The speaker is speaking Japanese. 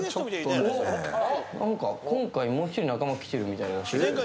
おっ何か今回もう１人仲間が来てるみたい。